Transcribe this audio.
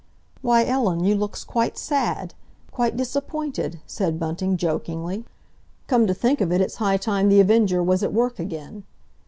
"Why, Ellen, you looks quite sad, quite disappointed," said Bunting jokingly. "Come to think of it, it's high time The Avenger was at work again."